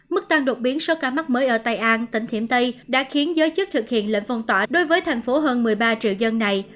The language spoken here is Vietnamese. mức tăng đột biến số ca mắc mới ở tây an tỉnh thiểm tây đã khiến giới chức thực hiện lệnh phong tỏa đối với thành phố hơn một mươi ba triệu dân này